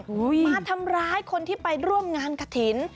มาทำร้ายคนที่ไปร่วมงานกระถิ่น